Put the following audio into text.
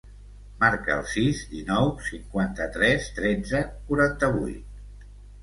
Marca el sis, dinou, cinquanta-tres, tretze, quaranta-vuit.